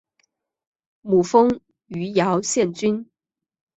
母封余姚县君。